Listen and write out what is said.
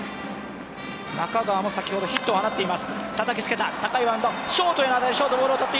中川も先ほどヒットを放っています。